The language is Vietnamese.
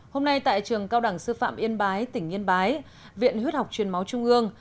hôm nay tại trường cao đẳng sư phạm yên bái tỉnh yên bái viện huyết học truyền máu trung ương